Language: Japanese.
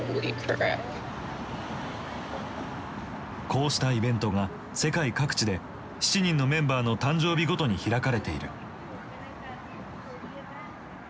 こうしたイベントが世界各地で７人のメンバーの誕生日ごとに開かれている。